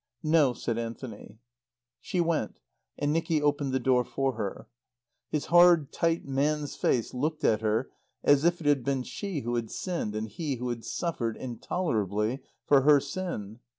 "No," said Anthony. She went, and Nicky opened the door for her. His hard, tight man's face looked at her as if it had been she who had sinned and he who suffered, intolerably, for her sin.